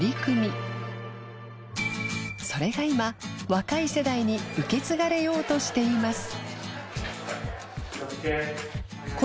若い世代に受け継がれようとしています